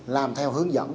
làm theo hướng dẫn